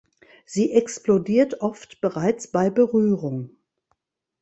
Sie explodiert oft bereits bei Berührung.